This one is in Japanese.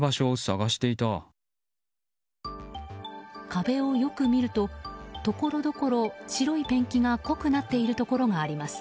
壁をよく見ると、ところどころ白いペンキが濃くなっているところがあります。